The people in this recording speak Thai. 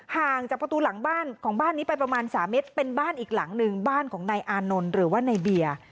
ห่างจากประตูหลังบ้านของบ้านนี้ไปประมาณ๓เมตรเป็นบ้านอีกหลังหนึ่งบ้านของนายอานนท์หรือว่าในเบียร์